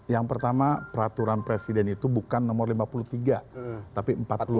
yang pertama peraturan presiden itu bukan nomor lima puluh tiga tapi empat puluh lima